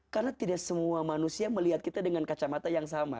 karena tidak semua manusia melihat kita dengan kacamata yang sama